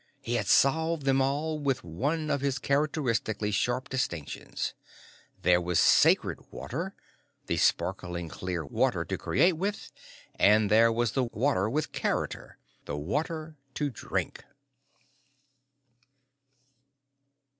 He had solved them all with one of his characteristically sharp distinctions: there was the sacred water, the sparklingly clear water to create with, and there was the water with character, the water to drink.